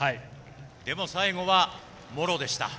でも、最後は茂呂でした。